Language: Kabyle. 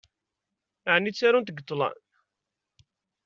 Ɛni ttarunt deg ṭṭlam?